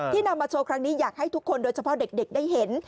นำมาโชว์ครั้งนี้อยากให้ทุกคนโดยเฉพาะเด็กได้เห็น